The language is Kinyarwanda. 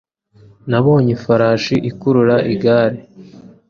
Nabonye ifarashi ikurura igare